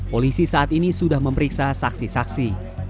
polisi saat ini sudah memeriksa saksi saksi